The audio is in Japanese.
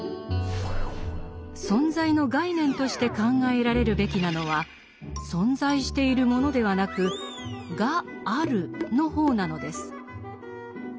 「存在」の概念として考えられるべきなのは「存在しているもの」ではなく「がある」の方なのです。